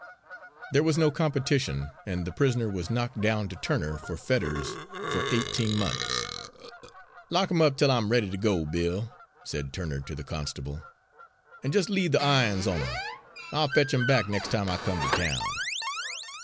There was no competition, and the prisoner was knocked down to Turner, for Fetters, for eighteen months. "Lock 'im up till I'm ready to go, Bill," said Turner to the constable, "an' just leave the irons on him. I'll fetch 'em back next time I come to town."